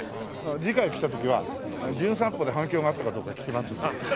次回来た時は『じゅん散歩』で反響があったかどうか聞きますので。